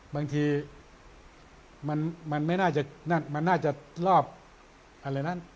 บางทีมันไม่น่าจะมันน่าจะรอบอะไรนั้น